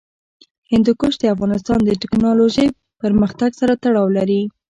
هندوکش د افغانستان د تکنالوژۍ پرمختګ سره تړاو لري.